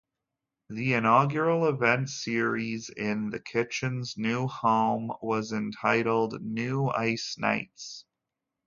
The inaugural event series in The Kitchen's new home was entitled "New Ice Nights".